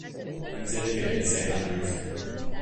He was educated at Saint Andrews.